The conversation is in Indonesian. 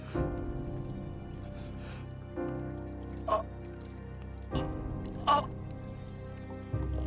duw dukla h falam